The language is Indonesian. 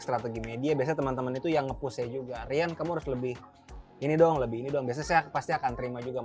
strategi media biasanya teman teman itu yang nge push nya juga rian kamu harus lebih ini dong lebih ini dong